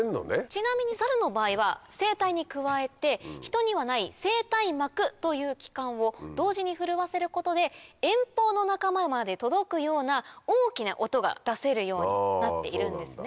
ちなみにサルの場合は声帯に加えて人にはない声帯膜という器官を同時に震わせることで遠方の仲間まで届くような大きな音が出せるようになっているんですね。